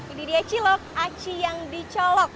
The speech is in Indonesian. ini dia cilok aci yang dicolok